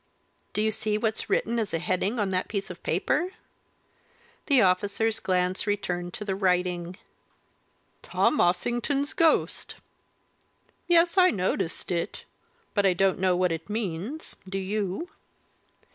"Do you see what's written as a heading on that piece of paper?" The officer's glance returned to the writing. "'Tom Ossington's Ghost!' yes, I noticed it, but I don't know what it means do you?"